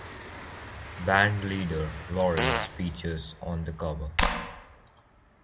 Band leader Lawrence features on the cover.